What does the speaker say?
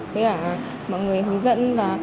với mọi người hướng dẫn và